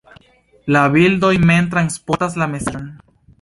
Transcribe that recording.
La bildoj mem transportas la mesaĝon.